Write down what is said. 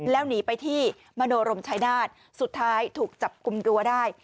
แล้วหนีไปที่มโนรมชายนาฏสุดท้ายถูกจับกลุ่มตัวได้